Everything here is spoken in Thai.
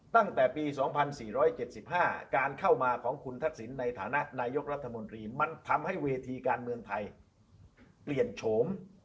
ตั้งแต่ปี๒๔๗๕การเข้ามาของคุณทักษิณในฐานะนายกรัฐมนตรีมันทำให้เวทีการเมืองไทยเปลี่ยนโฉม